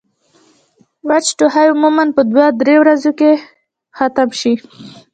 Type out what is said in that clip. وچ ټوخی عموماً پۀ دوه درې ورځې کښې ختم شي